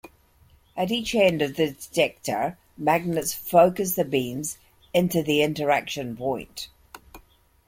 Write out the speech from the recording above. At each end of the detector magnets focus the beams into the interaction point.